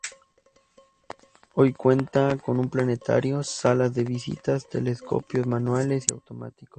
Hoy cuenta con un planetario, salas de visitas, telescopios manuales y automáticos.